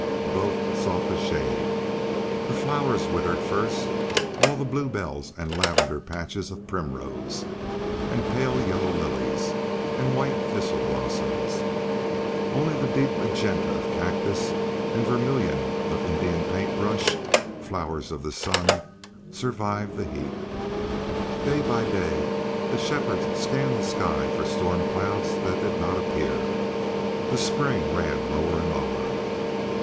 Both sought the shade. The flowers withered first all the blue bells and lavender patches of primrose, and pale yellow lilies, and white thistle blossoms. Only the deep magenta of cactus and vermilion of Indian paint brush, flowers of the sun, survived the heat. Day by day the shepherds scanned the sky for storm clouds that did not appear. The spring ran lower and lower.